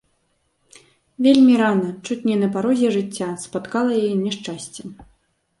Вельмі рана, чуць не на парозе жыцця, спаткала яе няшчасце.